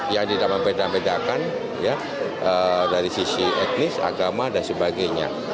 yang tidak membeda bedakan dari sisi etnis agama dan sebagainya